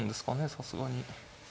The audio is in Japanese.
さすがに。